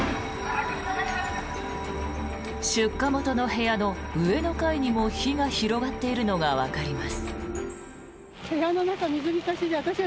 出火元の部屋の上の階にも火が広がっているのがわかります。